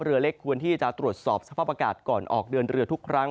เรือเล็กควรที่จะตรวจสอบสภาพอากาศก่อนออกเดินเรือทุกครั้ง